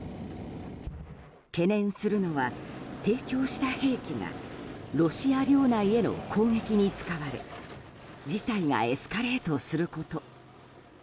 懸念するのは提供した兵器がロシア領内への攻撃に使われ事態がエスカレートすること。